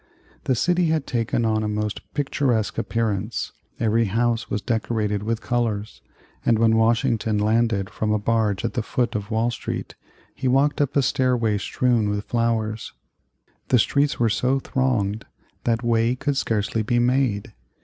The city had taken on a most picturesque appearance. Every house was decorated with colors, and when Washington landed from a barge at the foot of Wall Street, he walked up a stairway strewn with flowers. The streets were so thronged that way could scarcely be made.